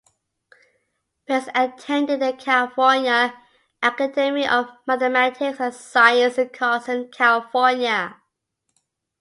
Pitts attended the California Academy of Mathematics and Science in Carson, California.